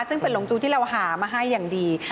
ซึ่งเป็นหลงจูที่เราหามาให้อย่างดี